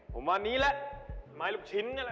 ผมว่านี้แหละไม้ลูกชิ้น